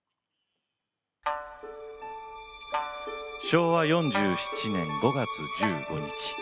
昭和４７年５月１５日。